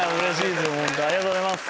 本当ありがとうございます。